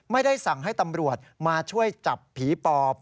ไม่ได้สั่งให้ตำรวจมาช่วยจับผีปอบ